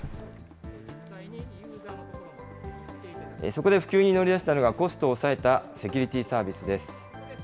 そこで普及に乗り出したのが、コストを抑えたセキュリティーサービスです。